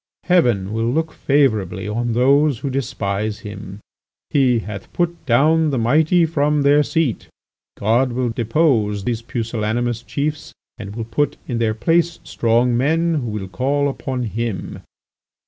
Heaven will look favourably on those who despise him. 'He hath put down the mighty from their seat.' God will depose these pusillanimous chiefs and will put in their place strong men who will call upon Him.